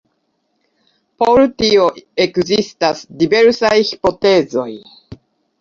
Por tio ekzistas diversaj hipotezoj.